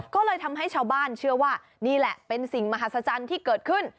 ก็เลยทำให้ชาวบ้านเชื่อว่านี่แหละเป็นสิ่งมหัศจรรย์ที่เกิดขึ้น